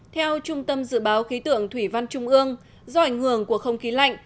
theo trung tâm dự báo khí tượng thủy văn trung ương do ảnh hưởng của không khí lạnh